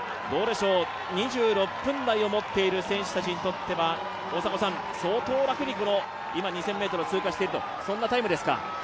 ２６分台を持っている選手たちにとっては、相当楽に、今２０００ｍを追加しているタイムですか？